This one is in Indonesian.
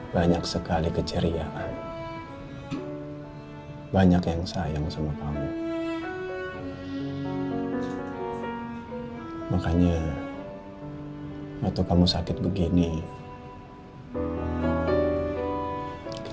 saya akan merupakan orang yang lebih baik untuk membuat video itu